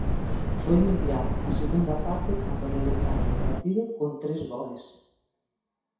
Foi mediada a segunda parte cando rebentaron o partido con tres goles.